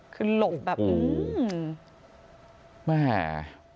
คือหลบแบบอื้ม